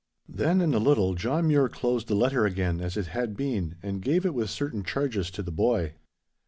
'Then in a little John Mure closed the letter again as it had been and gave it with certain charges to the boy.